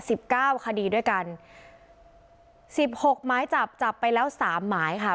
สิบเก้าคดีด้วยกันสิบหกหมายจับจับไปแล้วสามหมายค่ะ